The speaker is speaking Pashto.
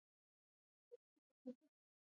مېړه دژوند ښکلا ده